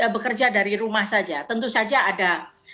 bekerja dari rumah saja tentu saja ada